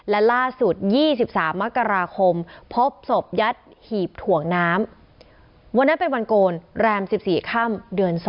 และล่าสุด๒๓มกราคมพบศพยัดหีบถ่วงน้ำวันนั้นเป็นวันโกนแรม๑๔ค่ำเดือน๒